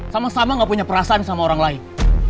sama sama gak punya perasaan sama orang lain